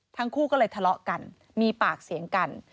ทั้งคู่ก็เลยทะเลาะกันมีปากเสียงกัน